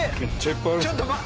ちょっと。